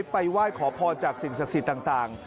ไปไหว้ขอพรจากสิ่งศักดิ์สิทธิ์ต่าง